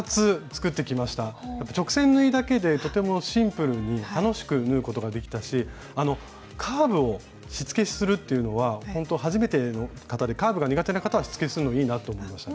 直線縫いだけでとてもシンプルに楽しく縫うことができたしカーブをしつけするっていうのはほんと初めての方でカーブが苦手な方はしつけするのいいなと思いました。